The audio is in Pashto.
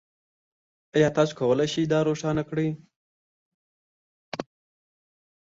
ایا تاسو کولی شئ دا روښانه کړئ؟